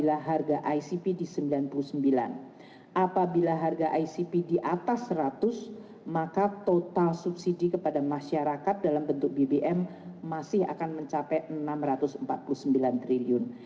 apabila harga icp di atas seratus maka total subsidi kepada masyarakat dalam bentuk bbm masih akan mencapai enam ratus empat puluh sembilan triliun